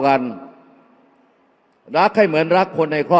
อย่าให้ลุงตู่สู้คนเดียว